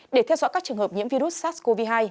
để theo dõi các trường hợp nhiễm virus sars cov hai